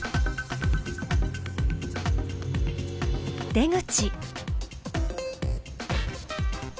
出口。